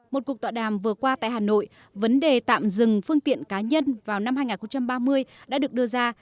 một cuộc tọa đàm vừa qua tại hà nội vấn đề tạm dừng phương tiện cá nhân vào năm hai nghìn ba mươi đã được đưa ra